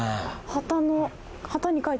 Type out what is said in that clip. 旗の。